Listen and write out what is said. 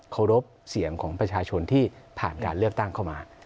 รบเสียงของประชาชนที่ผ่านการเลือกตั้งเข้ามา